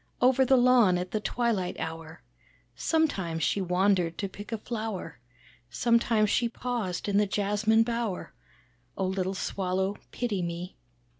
Over the lawn at the twilight hour Sometimes she wandered to pluck a flower, Sometimes she paused in the jasmine bower. Oh little Swallow pity me.